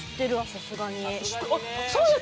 さすがにね。